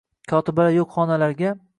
Kotibalar yo‘q xonalarga